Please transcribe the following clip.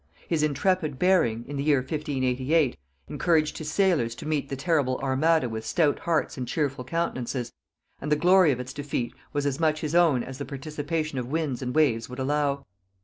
His intrepid bearing, in the year 1588, encouraged his sailors to meet the terrible Armada with stout hearts and cheerful countenances, and the glory of its defeat was as much his own as the participation of winds and waves would allow.